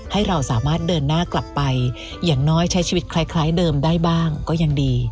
ให้เราสามารถเดินหน้ากลับไปอย่างน้อยใช้ชีวิตคล้ายเดิมได้บ้างก็ยังดี